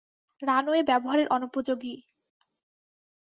Runway ব্যবহারের অনুপযোগী।